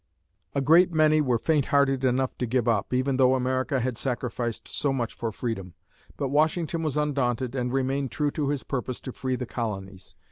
A great many were faint hearted enough to give up, even though America had sacrificed so much for freedom. But Washington was undaunted and remained true to his purpose to free the colonies.